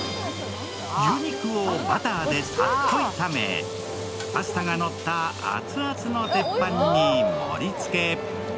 牛肉をバターでさっと炒め、パスタがのった熱々の鉄板に盛りつけ。